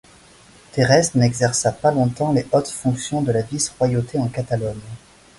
Terès n'exerça pas longtemps les hautes fonctions de la vice-royauté en Catalogne.